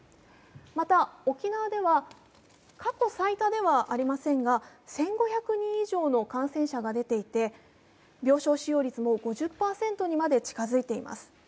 また、沖縄では過去最多ではありませんが、１５００人以上の感染者が出ていて、病床使用率も５０％にまで近づいています。